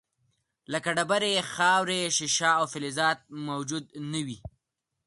لکه ډبرې، خاورې، شیشه او فلزات موجود نه وي.